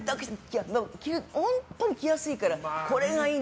本当に着やすいからこれがいい。